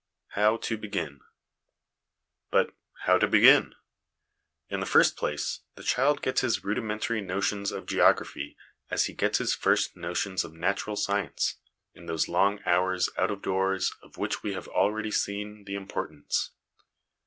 How to begin. But, how to begin ? In the first place, the child gets his rudimentary notions of geo graphy as he gets his first notions of natural science, in those long hours out of doors of which we have already seen the importance.